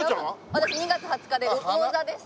私２月２０日でうお座です。